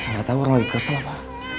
gak tau orang lagi kesel apa